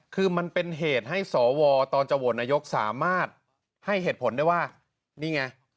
คือมันเป็นเหตุให้สวตอนจะโหวตนายกสามารถให้เหตุผลได้ว่านี่ไง